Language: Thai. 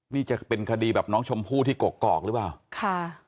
นี่จะเป็นคดีแบบน้องชมพู่ที่กกอกหรือเปล่าค่ะ